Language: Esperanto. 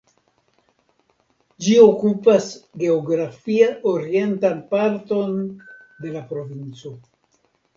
Ĝi okupas geografie orientan parton de la provinco.